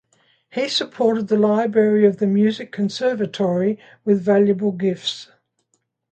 He supported the library of the music conservatory with valuable gifts.